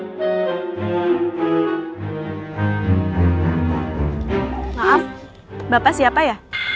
maaf bapak siapa ya